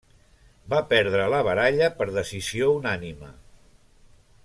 Va perdre la baralla per decisió unànime.